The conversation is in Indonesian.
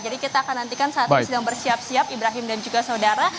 jadi kita akan nantikan saat sedang bersiap siap ibrahim dan juga saudara